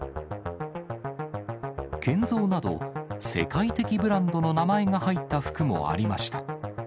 ケンゾーなど、世界的ブランドの名前が入った服もありました。